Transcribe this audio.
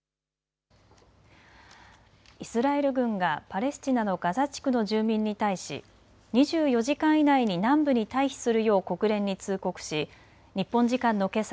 イスラエル軍がパレスチナのガザ地区の住民に対し２４時間以内に南部に退避するよう国連に通告し日本時間のけさ